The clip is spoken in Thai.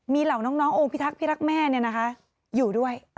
มีเหล่าน้องโอพิทักษิรักแม่อยู่ด้วย